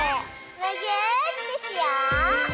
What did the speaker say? むぎゅーってしよう！